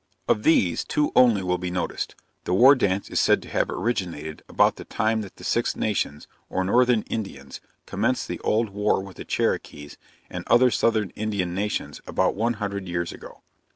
Of these, two only will be noticed. The war dance is said to have originated about the time that the Six Nations, or Northern Indians, commenced the old war with the Cherokees and other Southern Indian Nations, about one hundred years ago.